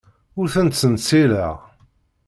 Ur ten-ttsenṣileɣ.